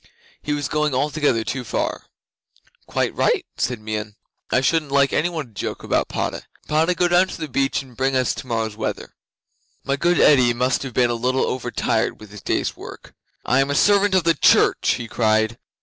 He was going altogether too far. '"Quite right," said Meon; "I shouldn't like any one to joke about Padda. Padda, go down to the beach and bring us tomorrow's weather!" 'My good Eddi must have been a little over tired with his day's work. "I am a servant of the church," he cried.